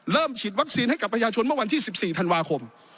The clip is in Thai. ฉีดวัคซีนให้กับประชาชนเมื่อวันที่๑๔ธันวาคม